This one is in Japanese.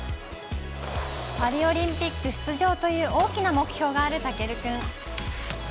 パリオリンピック出場という大きな目標があるたける君。